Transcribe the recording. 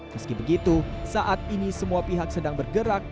meski begitu saat ini semua pihak sedang bergerak